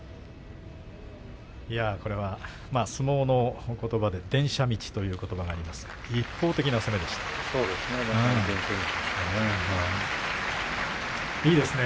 いやこれは相撲のことばで電車道ということばがありますがそうですね